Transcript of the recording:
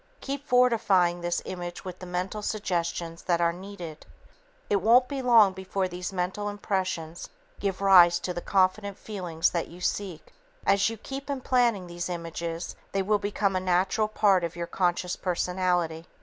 Keep fortifying this image with the mental suggestions that are needed. It won't be long before these mental impressions give rise to the confident feelings that you seek. As you keep implanting these images, they will become a natural part of your conscious personality.